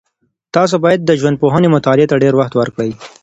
تاسو باید د ژوندپوهنې مطالعې ته ډېر وخت ورکړئ.